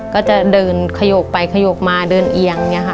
ก็จะเดินขยกไปขยกมาเดินเอียง